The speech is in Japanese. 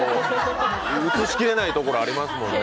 映しきれないところありますからね。